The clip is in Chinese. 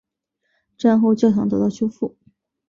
战后教堂得到修复。